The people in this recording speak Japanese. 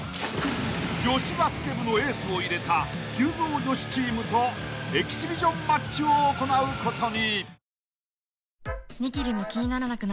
［女子バスケ部のエースを入れた急造女子チームとエキシビションマッチを行うことに］